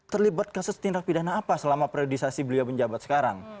terlibat kasus tindak pidana apa selama priorisasi beliau menjabat sekarang